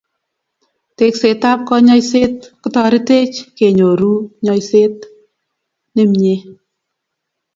Tekset ab kanyoiset kotoritech kenyoru nyoiset nemie